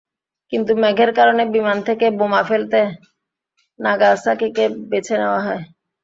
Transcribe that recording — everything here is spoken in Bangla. কিন্তু মেঘের কারণে বিমান থেকে বোমা ফেলতে নাগাসাকিকে বেছে নেওয়া হয়।